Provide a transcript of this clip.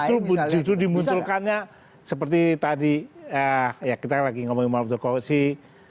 justru dimuntulkannya seperti tadi ya kita lagi ngomongin pak muldoko sih